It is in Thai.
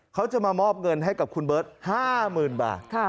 เขาจะมามอบเงินให้กับคุณเบิร์ต๕๐๐๐บาท